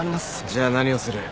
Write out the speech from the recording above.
じゃあ何をする？